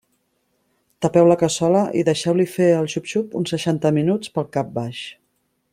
Tapeu la cassola i deixeu-li fer el xup-xup uns seixanta minuts pel cap baix.